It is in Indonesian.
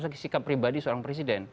segi sikap pribadi seorang presiden